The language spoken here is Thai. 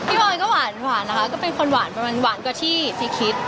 พี่มองก็หวานนะคะก็เป็นคนหวานกว่าที่พี่คิด